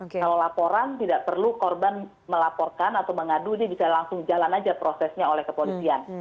kalau laporan tidak perlu korban melaporkan atau mengadu dia bisa langsung jalan aja prosesnya oleh kepolisian